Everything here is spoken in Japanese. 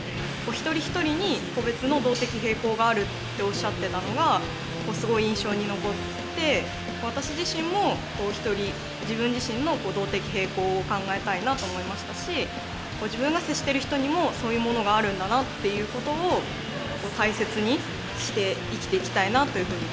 一人一人に個別の動的平衡があるっておっしゃってたのがすごい印象に残って私自身も自分自身の動的平衡を考えたいなと思いましたし自分が接してる人にもそういうものがあるんだなっていう事を大切にして生きていきたいなというふうに。